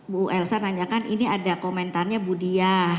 bu elsa nanyakan ini ada komentarnya bu diah